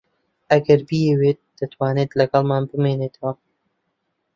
ئەگەر بیەوێت دەتوانێت لەگەڵمان بمێنێتەوە.